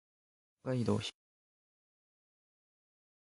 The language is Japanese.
北海道東川町